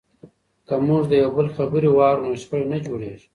که موږ د یو بل خبرې واورو نو شخړې نه جوړیږي.